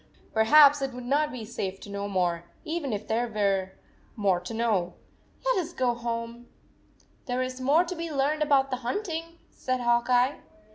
Perhaps it would not be safe to know more, even if there were more to know ! Let us go home/ " There is more to be learned about the hunting," said Hawk Eye.